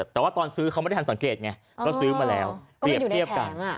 แต่ว่าตอนซื้อเขาไม่ได้ทันสังเกตไงก็ซื้อมาแล้วก็ไม่อยู่ในแข็งอ่ะ